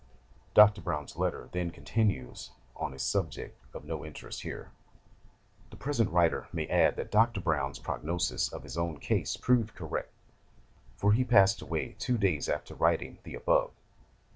[Dr. Browne's letter then continues on a subject of no interest here.] [The present writer may add that Dr. Browne's prognosis of his own case proved correct, for he passed away two days after writing the above.